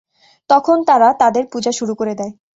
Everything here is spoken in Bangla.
তখন তারা তাদের পূজা শুরু করে দেয়।